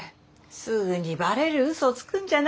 すぐにバレるうそつくんじゃないよ。